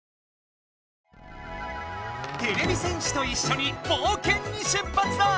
てれび戦士といっしょに冒険に出発だ！